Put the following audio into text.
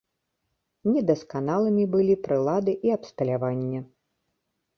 Недасканалымі былі прылады і абсталяванне.